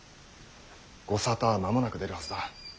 ご沙汰は間もなく出るはずだ。